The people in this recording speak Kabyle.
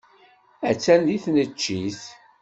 Attan deg tneččit.